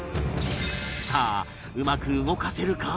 さあうまく動かせるか？